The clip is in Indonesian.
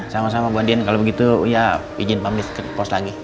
sama sama bu andin kalau begitu uya izin pamit ke pos lagi